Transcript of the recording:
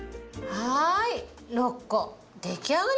はい。